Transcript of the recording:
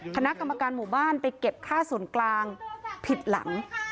คณะกรรมการหมู่บ้านไปเก็บค่าส่วนกลางผิดหลัง